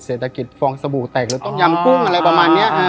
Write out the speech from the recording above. เศรษฐกิจฟองสบู่แตกหรือต้มยำกุ้งอะไรประมาณนี้